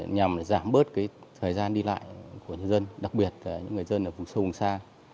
nhằm giảm bớt thời gian đi lại của nhân dân đặc biệt là những người dân ở vùng sâu vùng xa